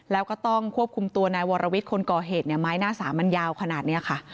แล้วก็ต้องควบคุมตัวนายวรวิทย์คนก่อเหตุเนี่ยไม้หน้าสามมันยาวขนาดนี้ค่ะ